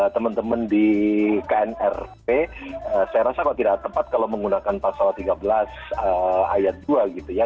teman teman di knrp saya rasa kok tidak tepat kalau menggunakan pasal tiga belas ayat dua gitu ya